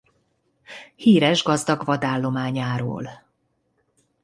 Híres gazdag vadállományáról.